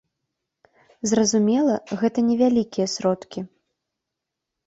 Зразумела, гэта невялікія сродкі.